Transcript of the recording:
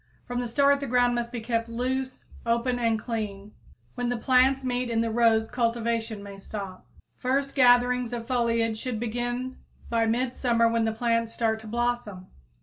From the start the ground must be kept loose, open and clean. When the plants meet in the rows cultivation may stop. First gatherings of foliage should begin by midsummer when the plants start to blossom.